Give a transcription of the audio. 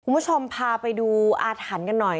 ทุกคุณผู้ชมพาไปดูอาถันกันหน่อย